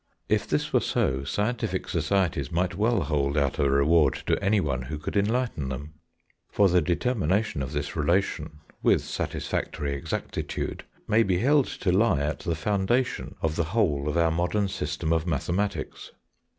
If this were so, scientific societies might well hold out a reward to anyone who could enlighten them; for the determination of this relation (with satisfactory exactitude) may be held to lie at the foundation of the whole of our modern system of mathematics.